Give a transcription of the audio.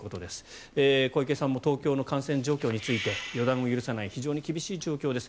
小池さんも東京の感染状況について予断を許さない非常に厳しい状況です。